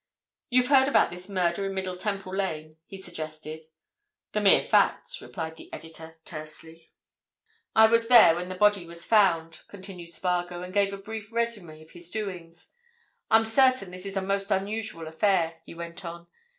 "You've heard about this murder in Middle Temple Lane?" he suggested. "The mere facts," replied the editor, tersely. "I was there when the body was found," continued Spargo, and gave a brief résumé of his doings. "I'm certain this is a most unusual affair," he went on.